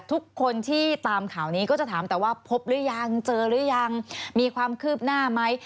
ทุกคนที่ตามข่าวนี้ก็จะถามแต่ว่าพบหรือยังเจอหรือยังมีความคืบหน้าไหม